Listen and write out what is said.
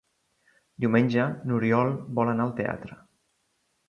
Diumenge n'Oriol vol anar al teatre.